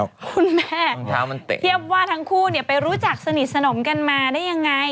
คุณแม่เทียบว่าทั้งคู่ไปรู้จักสนิทสนมกันมาได้ยังไง